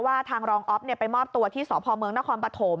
ทางรองอ๊อฟไปมอบตัวที่สพเมืองนครปฐม